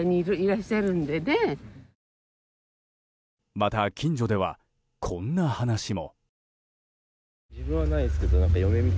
また近所では、こんな話も。